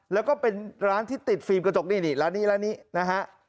แล้วก็เป็นร้านที่ติดฟิล์มกระจกนี่นี่ร้านนี้ร้านนี้นะฮะ